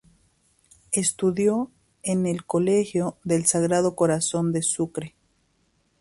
Estudió en el Colegio del Sagrado Corazón de Sucre.